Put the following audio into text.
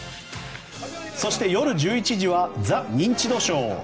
そして夜１１時は「ザ・ニンチドショー」。